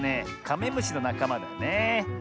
カメムシのなかまだね。